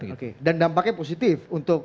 oke dan dampaknya positif untuk